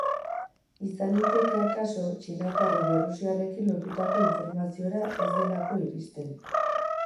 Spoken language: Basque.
Izan liteke, akaso, txinatar edo errusiarrekin lotutako informaziora ez delako iristen.